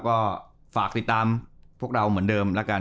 ก็ฝากติดตามพวกเราเหมือนเดิมแล้วกัน